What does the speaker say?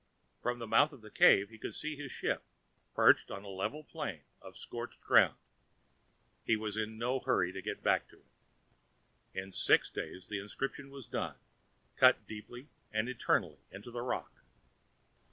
From the mouth of the cave, he could see his ship, perched on a level plain of scorched ground. He was in no rush to get back to it. In six days the inscription was done, cut deeply and eternally into the rock.